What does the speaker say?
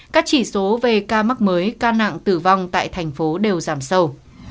các chỉ số về ca mắc mới ca nặng tử vong tại thành phố đều giảm sâu